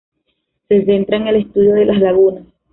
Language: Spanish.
Se centra en el estudio de las lagunas.